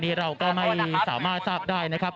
นี่เราก็ไม่สามารถทราบได้นะครับ